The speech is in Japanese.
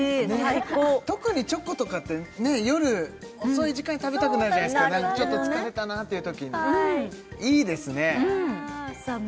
最高特にチョコとかって夜遅い時間に食べたくなるじゃないですかちょっと疲れたなっていうときにいいですねさあ